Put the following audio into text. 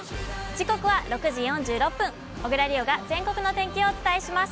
時刻は６時４６分、小椋梨央が全国の天気をお伝えします。